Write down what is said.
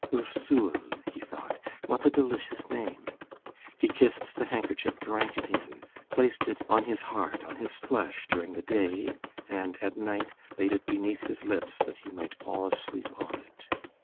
"Ursule!" he thought, "what a delicious name!" He kissed the handkerchief, drank it in, placed it on his heart, on his flesh, during the day, and at night, laid it beneath his lips that he might fall asleep on it.